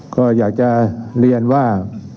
ก็อยากจะเรียนว่า